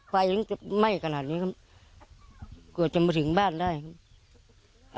ไฟถึงจะไหม้ขนาดนี้ครับกว่าจะมาถึงบ้านได้ครับ